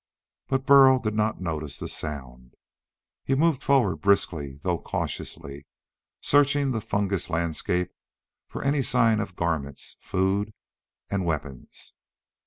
But Burl did not notice the sound. He moved forward briskly though cautiously, searching the fungus landscape for any sign of garments, food, and weapons.